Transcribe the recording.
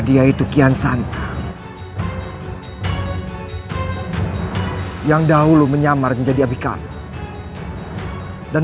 bagian tengah istana masih kosong